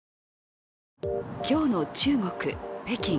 今日の中国・北京。